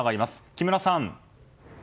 木村さん。